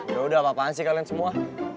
yaudah apa apaan sih kalian semua